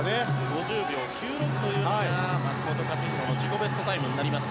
５０秒９６というのが松元克央の自己ベストタイムになります。